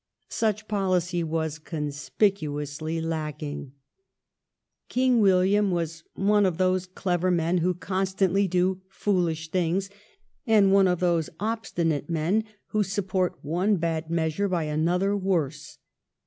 Such policy was conspicuously lacking. King William was " one of those clever men who constantly do foolish things, and one of those obstinate men who support one bad measure by another worse